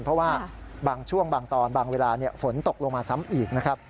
เพราะว่าบางช่วงบางตอนบางเวลาฝนตกลงมาซ้ำอีกนะครับ